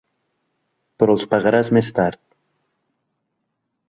Però els pagaràs més tard.